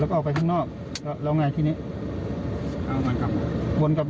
แล้วก็ออกไปข้างนอกแล้วแล้วไงทีนี้วนกลับ